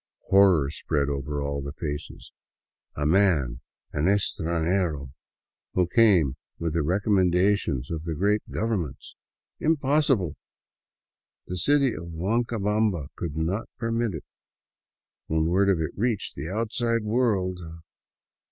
Horror spread over all faces. A man, an estranjero who came with the recommen dations of great governments! Impossible! The city of Huanca bamba could not permit it! When word of it reached the outside world